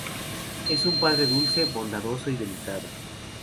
Es un padre dulce, bondadoso y delicado.